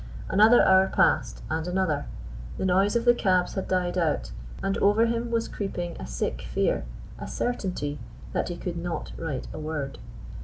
Another hour passed, and another. The noise of the cabs had died out, and over him was creeping a sick fear, a certainty, that he could not write a word.